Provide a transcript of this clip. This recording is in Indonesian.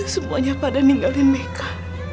semuanya pada ninggalin mereka